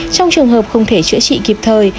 trong trường hợp không thể chữa trị kịp thời